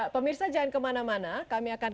pemirsa jangan kemana mana kami akan